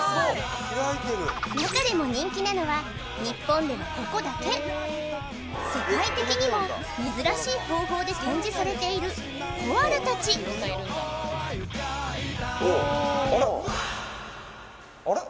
中でも人気なのは日本ではここだけ世界的にも珍しい方法で展示されているコアラ達おおあらっあれ？